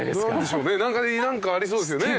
何かありそうですよね。